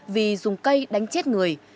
vì dùng cây đánh chết người